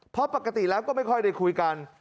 เพราะปกติแล้วก็ไม่ค่อยได้คุยกัน